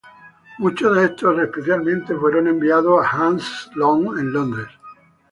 Muchos de estos especímenes fueron enviados a Hans Sloane en Londres.